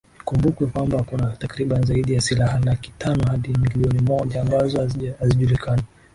ikumbukwe kwamba kuna takriban zaidi ya silaha laki tano hadi million moja ambazo hazijulikani